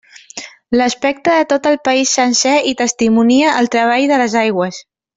L'aspecte de tot el país sencer hi testimonia el treball de les aigües.